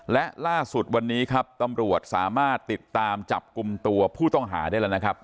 และล่าสุดวันนี้ครับตำรวจสามารถติดตามจับกลุ่มตัวผู้ต้องหาได้แล้วนะครับ